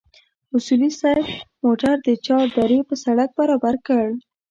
اصولي صیب موټر د چار درې پر سړک برابر کړ.